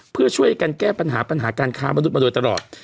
เพื่อช่วยกันแก้ปัญหาปัญหาการค้ามนุษย์มาโดยตลอด